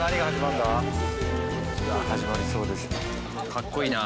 かっこいいな。